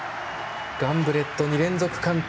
ガンブレット、２連続完登。